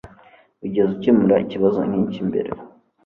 Wigeze ukemura ikibazo nkiki mbere?